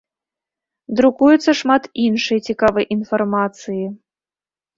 Друкуецца шмат іншай цікавай інфармацыі.